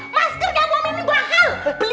masker kemomi ini berahal